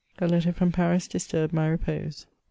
A letter from Pans disturbed my repose.